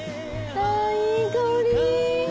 あぁいい香り！